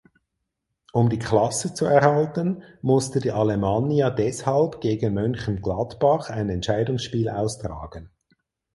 Um die Klasse zu erhalten musste die Alemannia deshalb gegen Mönchengladbach ein Entscheidungsspiel austragen.